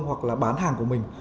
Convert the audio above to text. hoặc là bán hàng của mình